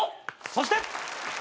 そして！